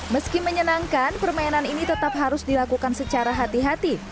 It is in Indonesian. meski menyenangkan permainan ini tetap harus dilakukan secara hati hati